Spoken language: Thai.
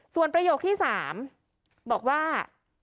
ส่วนประโยคที่๓บอกว่า